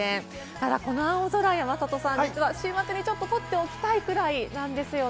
ただこの青空、山里さん、週末にとっておきたいくらいなんですよね。